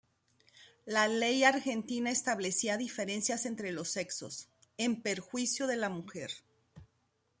La ley argentina establecía diferencias entre los sexos, en perjuicio de la mujer.